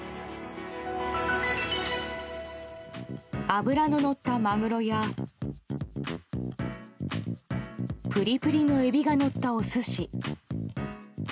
脂ののったマグロやプリプリのエビがのったお寿司。